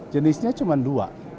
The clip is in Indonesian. jenisnya cuma dua